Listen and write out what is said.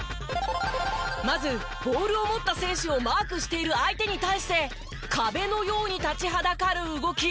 まずボールを持った選手をマークしている相手に対して壁のように立ちはだかる動き。